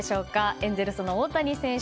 エンゼルスの大谷選手